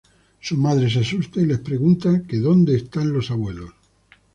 Su madre se asusta y les pregunta que dónde están los abuelos.